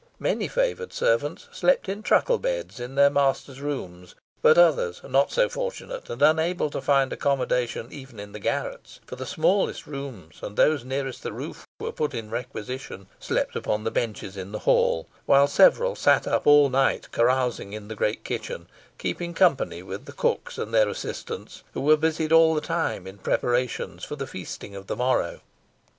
Many favoured servants slept in truckle beds in their masters' rooms; but others, not so fortunate, and unable to find accommodation even in the garrets for the smallest rooms, and those nearest the roof, were put in requisition slept upon the benches in the hall, while several sat up all night carousing in the great kitchen, keeping company with the cooks and their assistants, who were busied all the time in preparations for the feasting of the morrow.